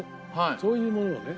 そういうものをね